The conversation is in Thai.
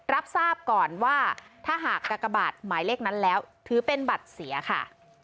รับทราบก่อนว่าถ้าหากกากบาทหมายเลขนั้นแล้วถือเป็นบัตรเสียค่ะ